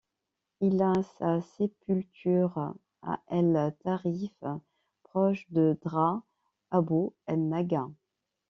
Il a sa sépulture à El-Tarif, proche de Dra Abou el-Naga.